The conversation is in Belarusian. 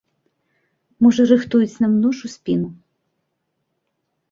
Можа рыхтуюць нам нож у спіну?